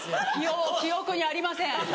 記憶にありません。